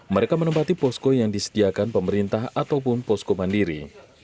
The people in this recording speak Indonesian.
mereka menempati posko yang disediakan pemerintah ataupun posko mandiri